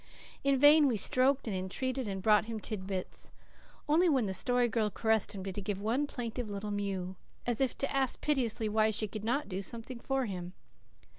In vain we stroked and entreated and brought him tidbits. Only when the Story Girl caressed him did he give one plaintive little mew, as if to ask piteously why she could not do something for him.